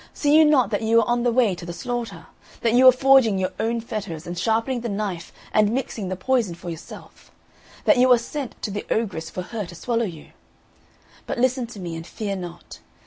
See you not that you are on the way to the slaughter; that you are forging your own fetters, and sharpening the knife and mixing the poison for yourself; that you are sent to the ogress for her to swallow you? But listen to me and fear not.